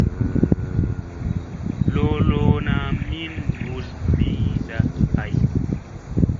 Loloona min mɓul ɓiiɗa hay.